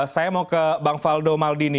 saya mau ke bang faldo maldini